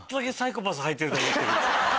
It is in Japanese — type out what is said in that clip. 入ってると思ってる。